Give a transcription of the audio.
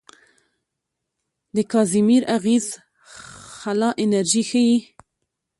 د کازیمیر اغېز خلا انرژي ښيي.